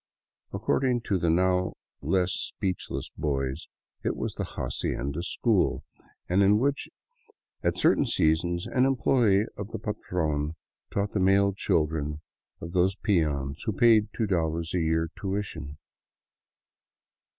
According to the now less speechless boys, it was the hacienda " school," in which at certain seasons an employee of the patron " taught the male children of those peons who paid $2 a year tuition.